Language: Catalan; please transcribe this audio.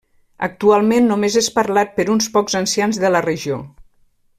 Actualment només és parlat per uns pocs ancians de la regió.